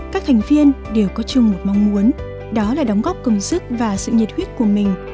các thành viên đều có chung một mong muốn đó là đóng góp công sức và sự nhiệt huyết của mình